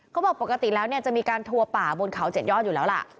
ก็บอกปกติแล้วจะมีการทัวร์ป่าบนเขาเจ็ดย่อนอยู่แล้วล่ะ